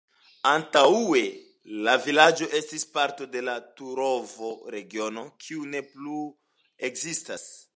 Antaŭe la vilaĝo estis parto de la Turovo-regiono, kiu ne plu ekzistas.